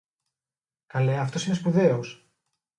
Καλέ αυτός είναι σπουδαίος!